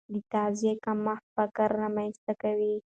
د تغذیې کمښت فقر رامنځته کوي.